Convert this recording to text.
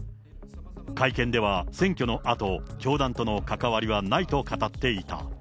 会見では、選挙のあと、教団との関わりはないと語っていた。